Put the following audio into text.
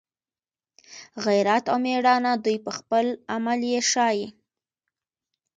غیرت او میړانه دوی په خپل عمل یې ښایي